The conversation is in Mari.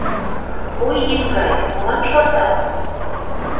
Ой, еҥгай, молан шортат?